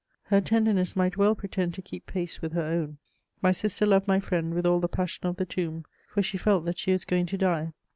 "Her tenderness might well pretend to keep pace with her own." My sister loved my friend with all the passion of the tomb, for she felt that she was going to die.